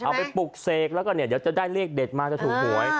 เอาไปปลุกเสกแล้วก็จะได้เรียกเด็ดมาถูกหวย